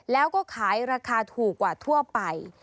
แล้วก็ขายราคาถูกกว่าทั่วไป